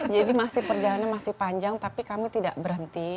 jadi perjalanan masih panjang tapi kami tidak berhenti